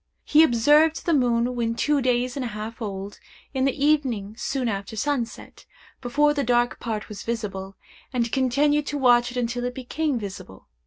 He observed the moon when two days and a half old, in the evening soon after sunset, before the dark part was visible, and continued to watch it until it became visible.